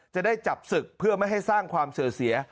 จะได้จับศึกเพื่อไม่ให้สร้างความเสื่อเสีย